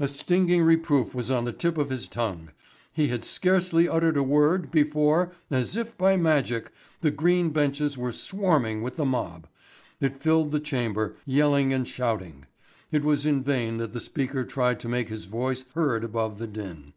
A stinging reproof was on the tip of his tongue. He had scarcely uttered a word, before, as if by magic, the green benches were swarming with the mob. It filled the chamber, yelling and shouting. It was in vain that the Speaker tried to make his voice heard above the din.